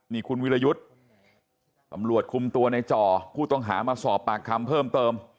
นี่คุณวิรยุทธ์ตำรวจคุมตัวในจ่อผู้ต้องหามาสอบปากคำเพิ่มเติม